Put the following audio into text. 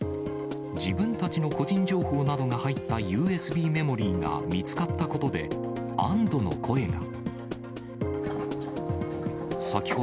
自分たちの個人情報などが入ったＵＳＢメモリーが見つかったことで、安どの声が。